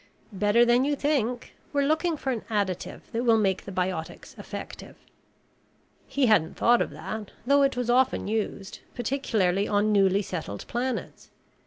"Better than you think. We're looking for an additive that will make the biotics effective." He hadn't thought of that, though it was often used, particularly on newly settled planets.